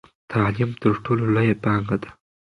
تعلیم تر ټولو لویه پانګه ده.